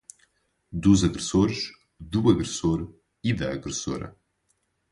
dos agressores, do agressor e da agressora